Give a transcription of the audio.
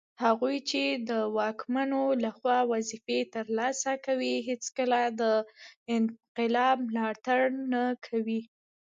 هغوی چي د واکمنو لخوا وظیفې ترلاسه کوي هیڅکله د انقلاب ملاتړ نه کوي